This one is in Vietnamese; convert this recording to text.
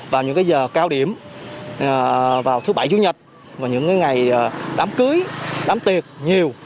vào những giờ cao điểm vào thứ bảy chủ nhật và những ngày đám cưới đám tiệc nhiều